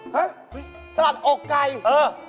ฮะสลัดอกไก่เออ